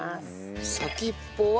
先っぽは。